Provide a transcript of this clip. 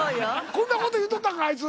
こんな事言うとったんかあいつ！